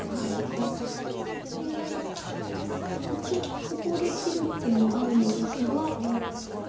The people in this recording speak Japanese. で一応ここで切る手もあるのですが。